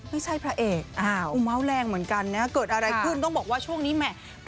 ไม่ใช่พระเอกอุ้วม